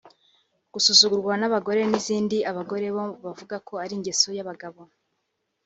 gusuzugurwa n’abagore n’izindi ; abagore bo bavuga ko ari ingeso y’abagabo